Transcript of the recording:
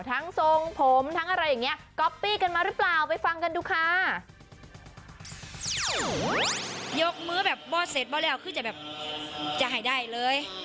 ทั้งทรงผมทั้งอะไรอย่างเนี่ย